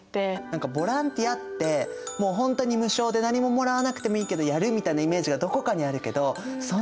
何かボランティアってもうほんとに無償で何ももらわなくてもいいけどやるみたいなイメージがどこかにあるけどそんなことじゃないんだよね。